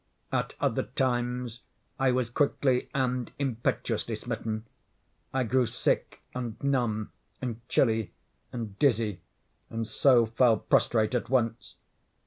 At other times I was quickly and impetuously smitten. I grew sick, and numb, and chilly, and dizzy, and so fell prostrate at once.